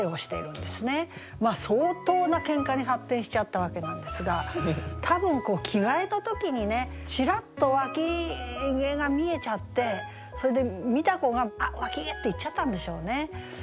相当なケンカに発展しちゃったわけなんですが多分着替えた時にねちらっと腋毛が見えちゃってそれで見た子が「あっ腋毛！」って言っちゃったんでしょうね。